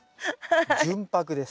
純白です。